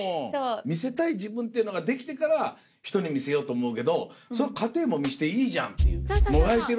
見せたい自分っていうのができてから人に見せようと思うけど過程も見せていいじゃんっていう。